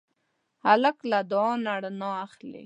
هلک له دعا نه رڼا اخلي.